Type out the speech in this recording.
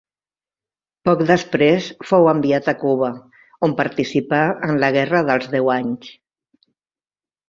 Poc després fou enviat a Cuba, on participà en la Guerra dels Deu Anys.